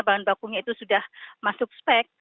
bahan bakunya itu sudah masuk spek